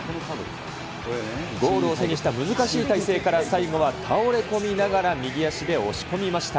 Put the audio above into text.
ゴールを背にした難しい体勢から最後は倒れ込みながら、右足で押し込みました。